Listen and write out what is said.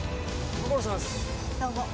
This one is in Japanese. どうも。